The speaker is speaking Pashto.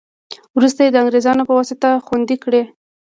وروسته یې د انګرېزانو په واسطه خوندي کړې.